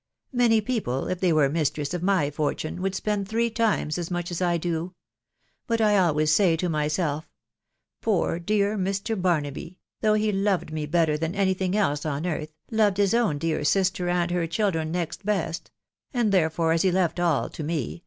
Many people, if they were mistress of my fortune, would spend three tunes as much as I do ; but I always say to myself, * Poor dear Mr. Barnaby, though he loved me better than any thing else on earth, loved his own dear sister and her children next best ; and therefore, as he left all to me